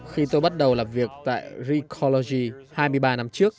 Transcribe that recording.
khi tôi bắt đầu làm việc tại recology hai mươi ba năm trước